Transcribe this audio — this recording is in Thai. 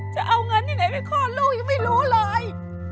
จะเอาเงินที่ไหนไปคลอดลูกยังไม่รู้เลย